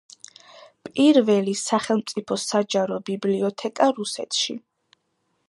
პირველი სახელმწიფო საჯარო ბიბლიოთეკა რუსეთში.